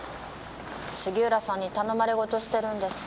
杉浦さんに頼まれ事してるんです。